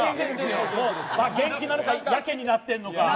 元気なのかやけになってるのか。